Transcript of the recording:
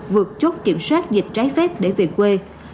vượt chốt kiểm soát dịch trái phép để về quê